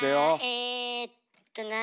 えっとなあ。